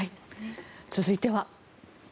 続いては。